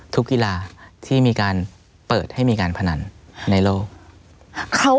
กีฬาที่มีการเปิดให้มีการพนันในโลก